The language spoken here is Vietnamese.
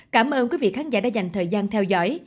cảm ơn quý vị khán giả đã dành thời gian theo dõi